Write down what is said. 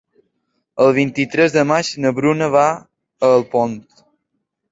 El vint-i-tres de maig na Bruna va a Alpont.